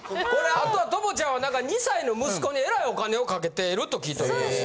あとは朋ちゃんは何か２歳の息子にえらいお金をかけていると聞いております。